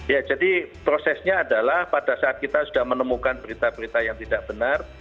ya jadi prosesnya adalah pada saat kita sudah menemukan berita berita yang tidak benar